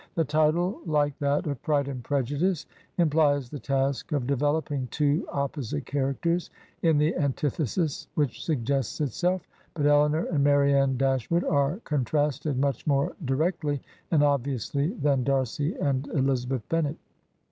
The title, 70 Digitized by VjOOQIC THREE OF JANE AUSTEN'S HEROINES like that of "Pride and Prejudice," implies the task of developing two opposite characters in the antithesis which suggests itself; but Elinor and Marianne Dash wood are contrasted much more directly and obviously than Darcy and Elizabeth Bennet.